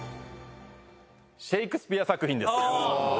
シェイクスピア作品です。